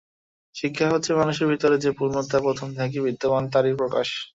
শিক্ষা হচ্ছে, মানুষের ভিতর যে পূর্ণতা প্রথম থেকেই বিদ্যমান, তারই প্রকাশ।